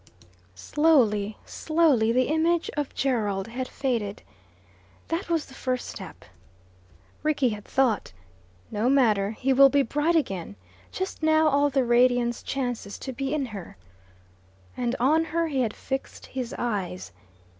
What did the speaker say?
Slowly, slowly, the image of Gerald had faded. That was the first step. Rickie had thought, "No matter. He will be bright again. Just now all the radiance chances to be in her." And on her he had fixed his eyes.